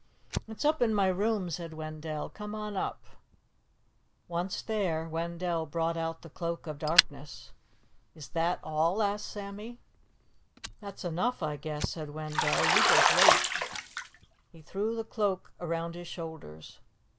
"It's up in my room," said Wendell. "Come on up." Once there, Wendell brought out the Cloak of Darkness. "Is that all?" asked Sammy. "That's enough, I guess," said Wendell. "You just wait." He threw the Cloak around his shoulders.